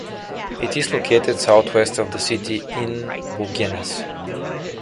It is located southwest of the city, in Bouguenais.